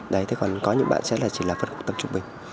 đấy thế còn có những bạn sẽ là chỉ là phân khúc tầm trung bình